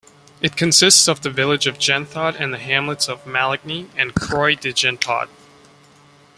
It consists of the village of Genthod and the hamlets of Malagny and Creux-de-Genthod.